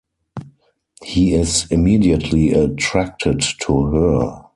He is immediately attracted to her.